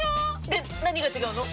で何が違うの？